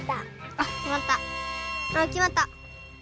あっきまった！